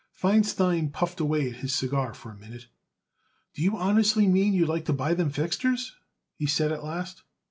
Feinstein puffed away at his cigar for a minute. "Do you honestly mean you'd like to buy them fixtures?" he said at last.